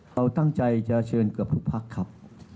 เราตั้งใจจะเชิญเกือบทุกพักครับ